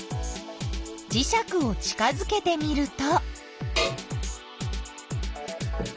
じしゃくを近づけてみると。